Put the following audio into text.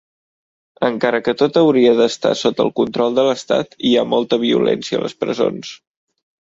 Encara que tot hauria d'estar sota el control de l'estat, hi ha molta violència a les presons.